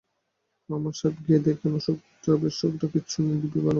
রহমান সাহেব গিয়ে দেখেন অসুখটসুখ কিচ্ছু নেই, দিব্যি ভালো মানুষ।